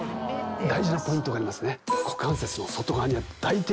大事なポイントがありますね。